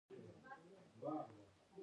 دا یو زوړ واسکټ چا راکړے دے ـ